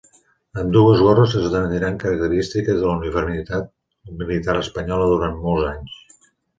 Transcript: Ambdues gorres esdevindran característiques de la uniformitat militar espanyola durant molts anys.